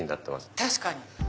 確かに。